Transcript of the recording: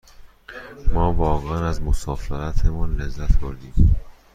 ما واقعاً از مسافرتمان لذت بردیم.